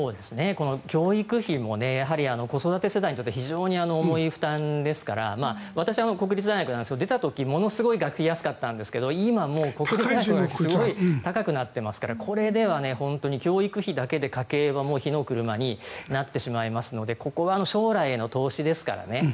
教育費も子育て世代にとって非常に重い負担ですから私は国立大学ですが出た時、ものすごい学費安かったんですが今、国立大学はすごい高くなっていますからこれでは本当に教育費だけで家計は火の車になってしまいますのでここは将来への投資ですからね。